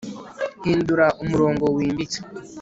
Hindura umurongo wimbitse